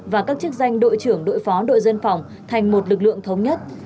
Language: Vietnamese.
và các chức danh đội trưởng đội phó đội dân phòng thành một lực lượng thống nhất